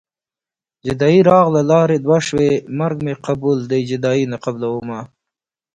جدايي راغله لارې دوه شوې مرګ مې قبول دی جدايي نه قبلومه